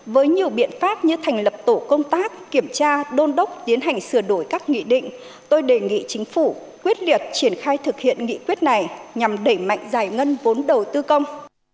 với nhiều biện pháp như thành lập tổ công tác kiểm tra đôn đốc tiến hành sửa đổi các nghị định tôi đề nghị chính phủ quyết liệt triển khai thực hiện nghị quyết này nhằm đẩy mạnh giải ngân vốn đầu tư công